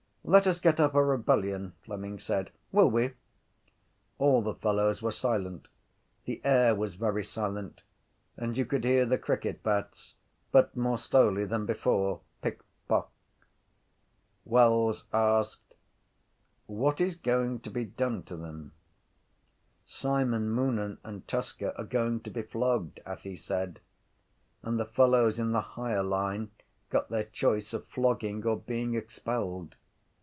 —Let us get up a rebellion, Fleming said. Will we? All the fellows were silent. The air was very silent and you could hear the cricket bats but more slowly than before: pick, pock. Wells asked: —What is going to be done to them? —Simon Moonan and Tusker are going to be flogged, Athy said, and the fellows in the higher line got their choice of flogging or being expelled.